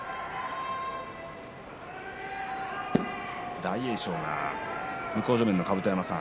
大栄翔が、向正面の甲山さん。